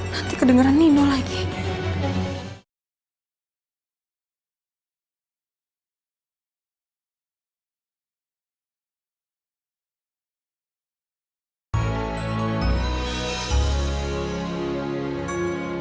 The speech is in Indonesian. nanti kedengeran nino lagi